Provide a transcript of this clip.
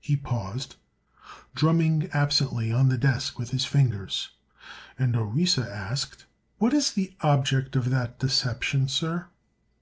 He paused, drumming absently on the desk with his fingers, and Orissa asked: "What is the object of that deception, sir?"